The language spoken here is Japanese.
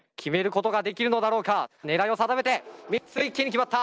狙いを定めて３つ一気に決まった！